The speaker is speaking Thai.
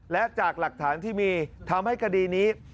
และจากหลักฐานที่มีทำให้คดีนี้